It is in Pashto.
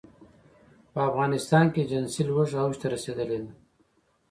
په افغانستان کې جنسي لوږه اوج ته رسېدلې ده.